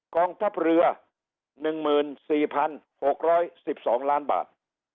กองทัพเรือหนึ่งหมื่นสี่พันหกร้อยสิบสองล้านบาท